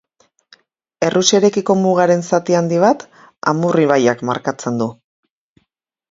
Errusiarekiko mugaren zati handi bat, Amur ibaiak markatzen du.